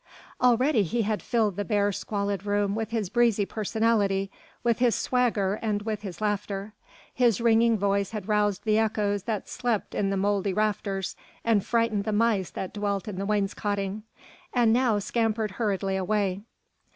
Already he had filled the bare, squalid room with his breezy personality, with his swagger and with his laughter; his ringing voice had roused the echoes that slept in the mouldy rafters and frightened the mice that dwelt in the wainscotting and now scampered hurriedly away.